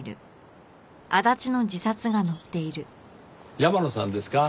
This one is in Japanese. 山野さんですか？